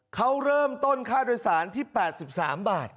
เขาเริ่มต้นค่าโดยสารที่๘๓บาท